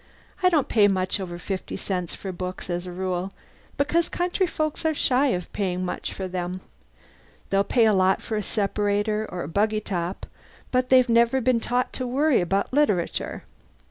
I don't pay much over fifty cents for books as a rule, because country folks are shy of paying much for them. They'll pay a lot for a separator or a buggy top, but they've never been taught to worry about literature!